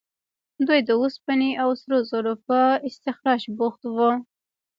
دوی د اوسپنې او سرو زرو په استخراج بوخت وو.